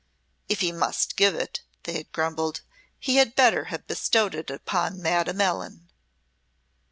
"If he must give it," they had grumbled, "he had better have bestowed it upon Madame Ellen."